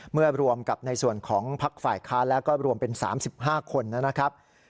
เมื่อรวมกับในส่วนของพักฝ่ายค้านแล้วก็รวมเป็น๓๕คนนะครับ